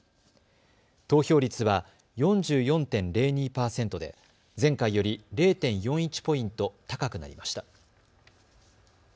投票率は４４．０２％で前回より０．４１ポイント高くなりました。